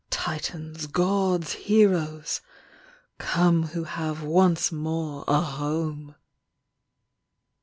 Titans, Gods, Heroes, come who have once more A home!